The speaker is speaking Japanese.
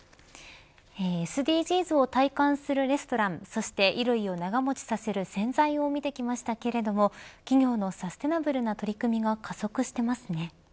ＳＤＧｓを体感するレストランそして衣類を長持ちさせる洗剤を見てきましたけれども企業のサステナブルな取り組みが加速していますね。